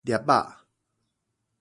粒仔